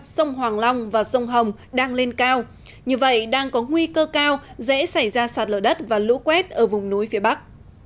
sông hoàng long và sông hồng đang lên cao như vậy đang có nguy cơ cao dễ xảy ra sạt lở đất và lũ quét ở vùng núi phía bắc